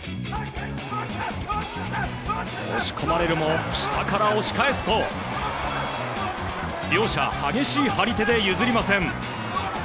押し込まれるも下から押し返すと両者激しい張り手で譲りません。